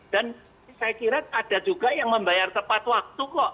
dan saya kira ada juga yang membayar tepat waktu kok